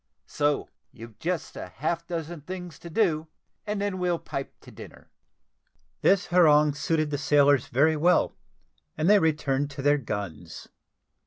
So you've just half a dozen things to do, and then we'll pipe to dinner." This harangue suited the sailors very well, and they returned to their guns.